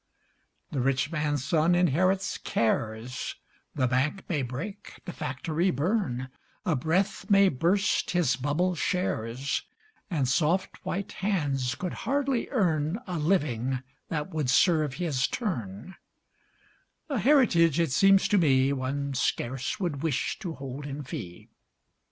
The rich man's son inherits cares; The bank may break, the factory burn, A breath may burst his bubble shares, And soft white hands could hardly earn A living that would serve his turn; A heritage, it seems to me, One scarce would wish to hold in fee.